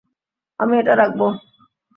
আমি এটা রাখবো।